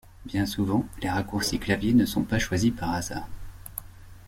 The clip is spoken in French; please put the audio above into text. Bien souvent, les raccourcis clavier ne sont pas choisis par hasard.